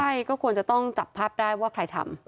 ใช่ก็ควรจะต้องจับภาพได้ว่าใครทำ